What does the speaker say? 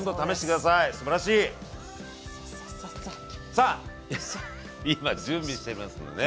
さあ今準備してますのでね